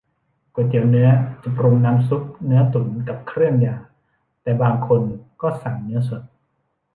ก๋วยเตี๋ยวเนื้อ จะปรุงน้ำซุปเนื้อตุ๋นกับเครื่องยา แต่บางคนก็สั่งเนื้อสด